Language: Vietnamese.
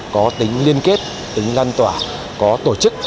có tính liên kết tính lan tỏa có tổ chức